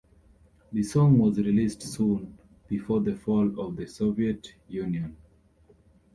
The song was released soon before the fall of the Soviet Union.